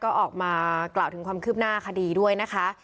ก็ออกมากล่าวถึงความคืบหน้าคดีด้วยนะคะ